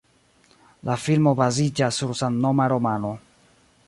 La filmo baziĝas sur samnoma romano.